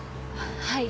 はい。